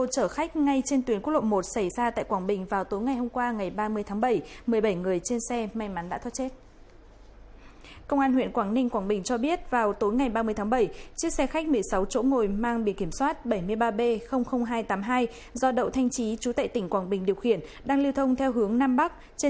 các bạn hãy đăng ký kênh để ủng hộ kênh của chúng mình nhé